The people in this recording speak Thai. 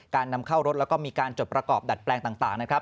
นำเข้ารถแล้วก็มีการจดประกอบดัดแปลงต่างนะครับ